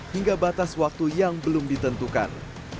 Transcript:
hingga batas waktu yang belum ditentukan